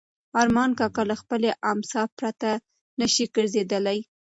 ارمان کاکا له خپلې امسا پرته نه شي ګرځېدلی.